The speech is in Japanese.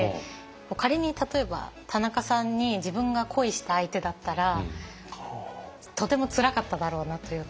仮に例えば田中さんに自分が恋した相手だったらとてもつらかっただろうなというか。